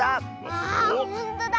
わあほんとだ！